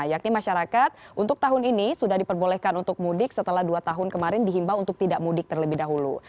yakni masyarakat untuk tahun ini sudah diperbolehkan untuk mudik setelah dua tahun kemarin dihimbau untuk tidak mudik terlebih dahulu